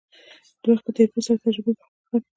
د وخت په تیریدو سره تجربې پرمختګ وکړ.